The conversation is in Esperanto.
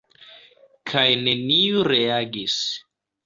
Kaj neniu reagis.